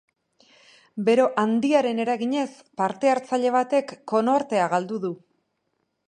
Bero handiaren eraginez, parte-hartzaile batek konortea galdu du.